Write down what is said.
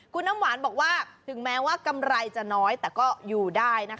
คุณน้ำหวานบอกว่าถึงแม้ว่ากำไรจะน้อยแต่ก็อยู่ได้นะคะ